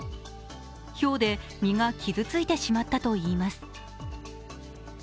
ひょうで実が傷ついてしまったといいます。